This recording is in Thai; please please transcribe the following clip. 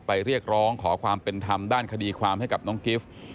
เรียกร้องขอความเป็นธรรมด้านคดีความให้กับน้องกิฟต์